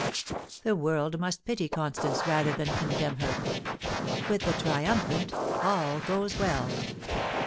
The world must pity Constance rather than condemn her. With the triumphant all goes well.